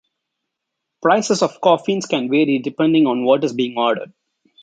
Prices of coffins can vary depending on what is being ordered.